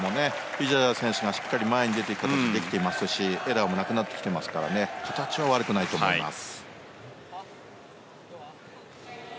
ウィジャジャ選手がしっかり前に出る形ができてますしエラーもなくなってきていますから形は悪くないと思います。